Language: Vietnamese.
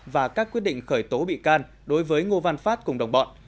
và các quyết định khởi tố bị can đối với ngô văn phát cùng đồng bọn